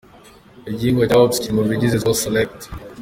Igihingwa cya Hops kiri mu bigize Skol Select.